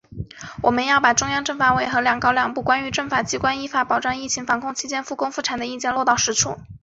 我们要把中央政法委和‘两高两部’《关于政法机关依法保障疫情防控期间复工复产的意见》落到实处